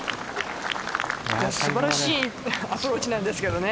素晴らしいアプローチなんですけどね。